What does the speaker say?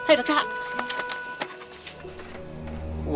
tidak ada yang